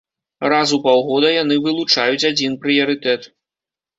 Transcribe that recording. Раз у паўгода яны вылучаюць адзін прыярытэт.